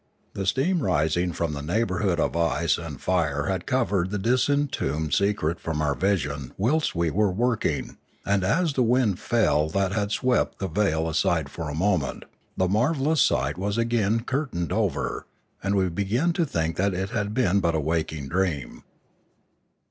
The steam rising from the neighbourhood of ice and fire had covered the disentombed secret from our vision whilst we were working, and as the wind fell that had swept the veil aside for a moment, the marvellous sight was again curtained over, and we began to think that it had been but a waking dream.